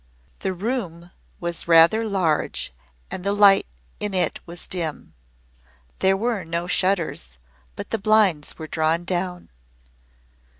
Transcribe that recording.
The room was rather large and the light in it was dim. There were no shutters, but the blinds were drawn down.